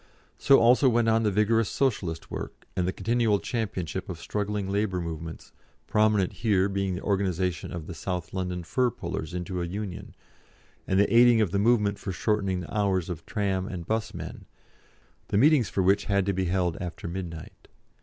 So also went on the vigorous Socialist work, and the continual championship of struggling labour movements, prominent here being the organisation of the South London fur pullers into a union, and the aiding of the movement for shortening the hours of tram and 'bus men, the meetings for which had to be held after midnight.